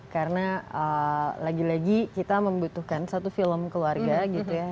karena lagi lagi kita membutuhkan satu film keluarga gitu ya